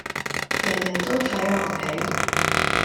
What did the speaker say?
人人都睇我唔起